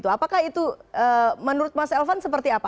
apakah itu menurut mas elvan seperti apa